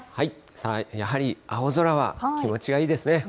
さあ、やはり、青空は気持ちがいいですね。